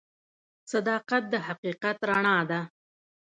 صداقت د حقیقت رڼا ده.